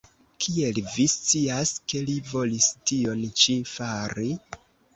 Kiel vi scias, ke li volis tion ĉi fari?